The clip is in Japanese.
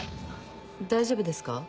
大丈夫ですか？